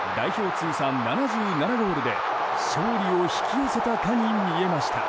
通算７７ゴールで勝利を引き寄せたかに見えました。